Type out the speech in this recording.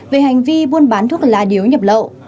về hành vi buôn bán thuốc lá điếu nhập lậu